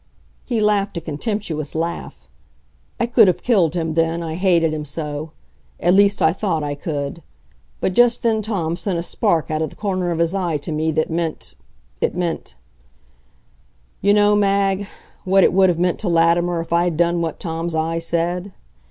He laughed a contemptuous laugh. I could have killed him then, I hated him so. At least, I thought I could; but just then Tom sent a spark out of the corner of his eye to me that meant it meant You know, Mag, what it would have meant to Latimer if I had done what Tom's eye said.